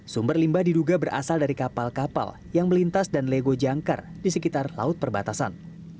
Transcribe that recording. sumber limbah diduga berasal dari kapal kapal yang melintas dan lego jangkar di sekitar laut perbatasan